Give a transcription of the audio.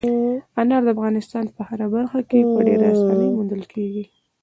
انار د افغانستان په هره برخه کې په ډېرې اسانۍ موندل کېږي.